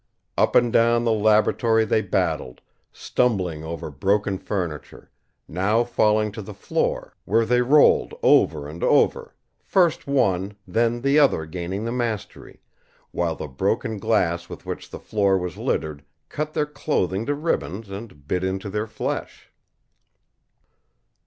Up and down the laboratory they battled, stumbling over broken furniture, now falling to the floor, where they rolled over and over, first one, then the other gaining the mastery, while the broken glass with which the floor was littered cut their clothing to ribbons and bit into their flesh.